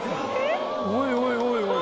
おいおいおいおい。